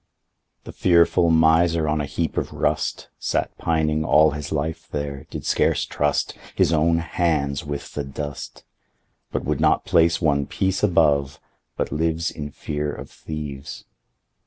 3. The fearful miser on a heap of rust Sat pining all his life there, did scarce trust His own hands with the dust, But would not place one piece above, but lives In fear of thieves.